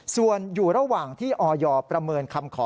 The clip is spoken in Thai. ส่วนอยู่ระหว่างที่ออยประเมินคำขอ